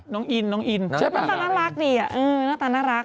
น้องอินน้องตาน่ารักดิอ่ะน้องตาน่ารัก